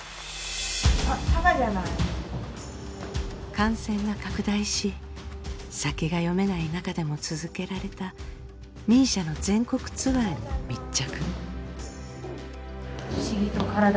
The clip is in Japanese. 感染が拡大し先が読めない中でも続けられたＭＩＳＩＡの全国ツアーに密着。